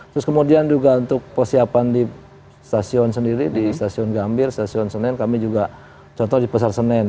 terus kemudian juga untuk persiapan di stasiun sendiri di stasiun gambir stasiun senen kami juga contoh di pasar senen